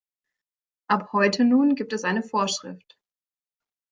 Ab heute nun gibt es eine Vorschrift.